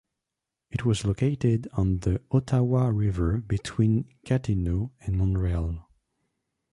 It was located on the Ottawa River between Gatineau and Montreal.